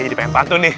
jadi pembantu nih